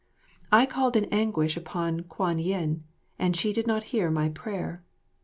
I called in anguish upon Kwan yin, and she did not hear my prayer.